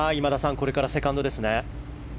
これからセカンドですね。